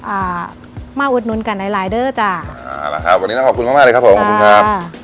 อ่ามาอุดนุนกันหลายเด้อจ้ะน่ารักครับวันนี้น่าขอบคุณมากเลยครับผมขอบคุณครับ